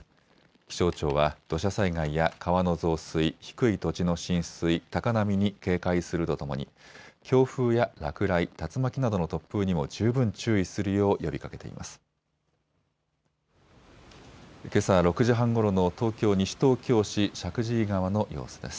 気象庁は土砂災害や川の増水、低い土地の浸水、高波に警戒するとともに強風や落雷、竜巻などの突風にも十分注意するよう呼びかけています。